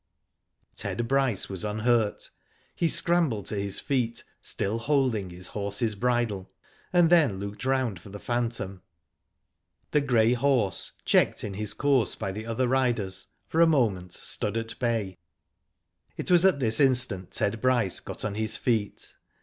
Ted Bryce was unhurt. He scrambled to his feet, still holding his horse's bridle, and then looked round for the phantom. The grey horse, checked in his course by the other riders, for a moment stood at bay. It was at this instant Ted Bryce got on his feet.